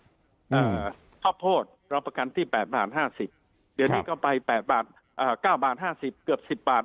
ข้าวโพดเราประกันที่๘บาท๕๐เดี๋ยวนี้ก็ไป๘บาท๙บาท๕๐เกือบ๑๐บาท